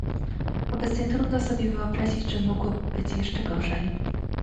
Obecnie trudno sobie wyobrazić, że mogłoby być jeszcze gorzej